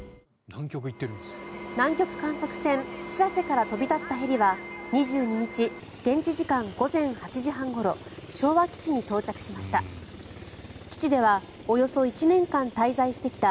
南極観測船「しらせ」から飛び立ったヘリは２２日、現地時間午前８時半ごろ昭和基地に到着しました。